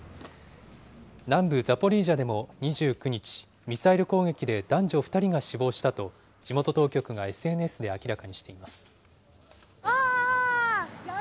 南部ザポリージャでも２９日、ミサイル攻撃で男女２人が死亡したと、地元当局がＳＮＳで明らかにしています。